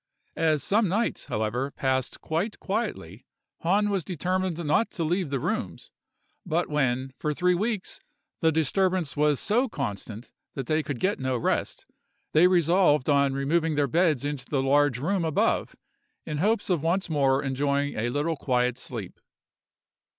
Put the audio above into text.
As some nights, however, passed quite quietly, Hahn was determined not to leave the rooms; but when, for three weeks, the disturbance was so constant that they could get no rest, they resolved on removing their beds into the large room above, in hopes of once more enjoying a little quiet sleep.